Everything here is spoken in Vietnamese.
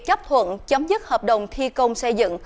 chấp thuận chấm dứt hợp đồng thi công xây dựng